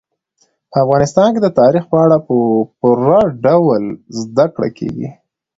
په افغانستان کې د تاریخ په اړه په پوره ډول زده کړه کېږي.